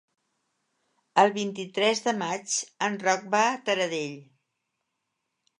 El vint-i-tres de maig en Roc va a Taradell.